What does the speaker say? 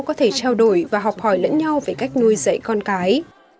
có thể trao đổi và học hỏi lẫn nhau về cách nuôi dạy con cái